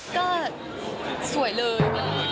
ก็สวยเลย